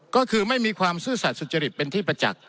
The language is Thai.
ก็คือไม่มีความซื่อสัตว์สุจริตเป็นที่ประจักษ์